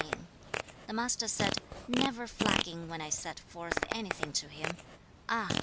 The Master said, 'Never flagging when I set forth anything to him; ah!